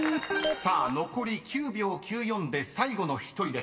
［さあ残り９秒９４で最後の１人です］